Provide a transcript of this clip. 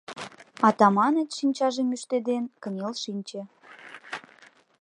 Атаманыч, шинчажым ӱштеден, кынел шинче.